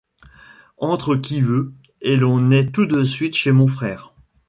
Entre qui veut, et l’on est tout de suite chez mon frère.